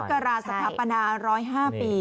๒๓อักการาสัพพนา๑๐๕ปี